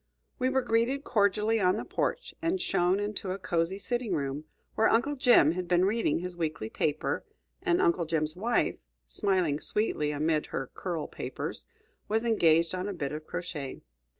We were greeted cordially on the porch, and shown into a cosey sitting room, where Uncle Jim had been reading his weekly paper, and Uncle Jim's wife, smiling sweetly amid her curl papers, was engaged on a bit of crochet.